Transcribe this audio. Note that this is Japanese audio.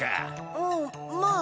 うんまあ。